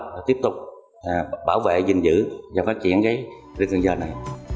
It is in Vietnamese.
và tiếp tục bảo vệ giữ và phát triển rừng cần giờ này